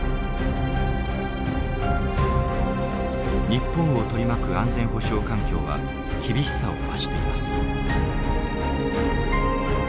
日本を取り巻く安全保障環境は厳しさを増しています。